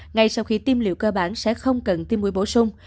ngay sau khi tiêm liệu cơ bản sẽ không cần tiêm mũi bổ sung